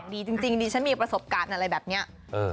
ดีจริงดิฉันมีประสบการณ์อะไรแบบนี้